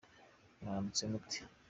Mwaramutse mute